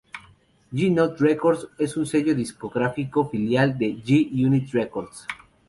G-Note Records es un sello discográfico filial de G-Unit Records.